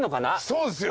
そうですよ。